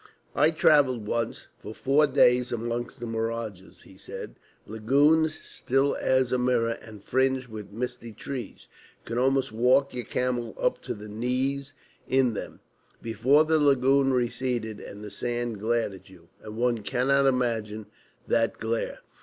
"I travelled once for four days amongst the mirages," he said, "lagoons, still as a mirror and fringed with misty trees. You could almost walk your camel up to the knees in them, before the lagoon receded and the sand glared at you. And one cannot imagine that glare.